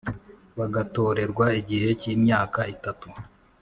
bagatorerwa igihe cy imyaka itatu